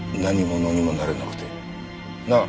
なあ。